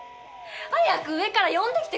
早く上から呼んできてください。